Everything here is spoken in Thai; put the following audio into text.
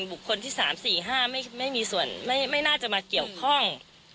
บุคคลที่๓๔๕ไม่มีส่วนไม่น่าจะมาเกี่ยวข้อง